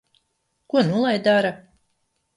Ko nu lai dara?